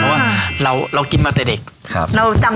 เพราะว่าเรากินมาแต่เด็ก